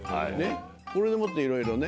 これでもっていろいろね。